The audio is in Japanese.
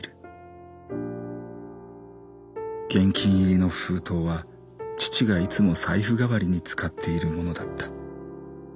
現金入りの封筒は父がいつも財布代わりに使っているものだった。